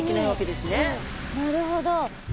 なるほど。